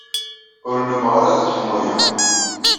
Ur nnumeɣ ara d leḥmu-a.